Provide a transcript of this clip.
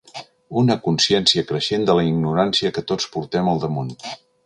Una consciència creixent de la ignorància que tots portem al damunt.